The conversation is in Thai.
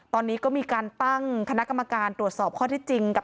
ตอนนี้ก็มีการตั้งคณะกรรมการตรวจสอบข้อที่จริงกับ